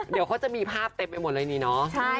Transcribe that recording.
เดี๋ยวเขาจะมีภาพเต็มไปหมดเลยนี่เนาะ